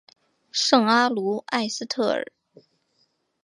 圣阿卢埃斯特尔。